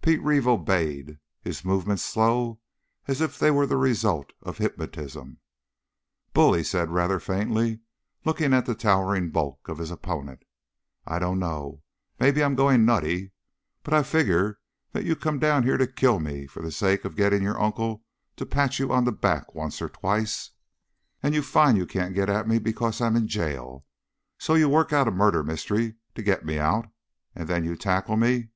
Pete Reeve obeyed, his movements slow, as if they were the result of hypnotism. "Bull," he said rather faintly, looking at the towering bulk of his opponent, "I dunno. Maybe I'm going nutty. But I figure that you come down here to kill me for the sake of getting your uncle to pat you on the back once or twice. And you find you can't get at me because I'm in jail, so you work out a murder mystery to get me out, and then you tackle me.